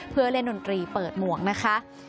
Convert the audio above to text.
เพื่อเล่นดนตรีเปิดหมวกนะคะ